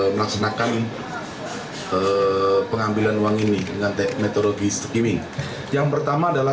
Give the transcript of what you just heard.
kelompok ini adalah yang memasang kemudian melihat beberapa titik titik atm yang kira kira bisa dipasang dengan aman